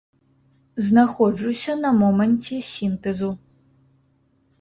Знаходжуся на моманце сінтэзу.